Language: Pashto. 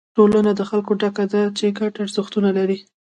ټولنه د خلکو ډله ده چې ګډ ارزښتونه لري.